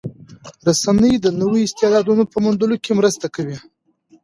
رسنۍ د نویو استعدادونو په موندلو کې مرسته کوي.